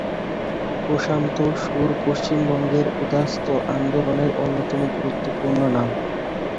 প্রশান্ত সুর পশ্চিমবঙ্গের উদ্বাস্তু আন্দোলনের অন্যতম গুরুত্বপূর্ণ নাম।